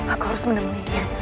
aku harus menemuinya